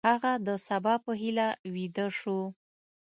هغه د سبا په هیله ویده شو.